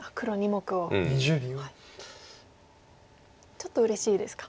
ちょっとうれしいですか。